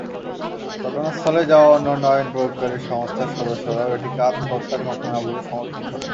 ঘটনাস্থলে যাওয়া অন্যান্য আইনপ্রয়োগকারী সংস্থার সদস্যরাও এটিকে আত্মহত্যার ঘটনা বলে সমর্থন করেন।